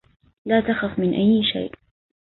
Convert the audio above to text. لا تخف من أي شيء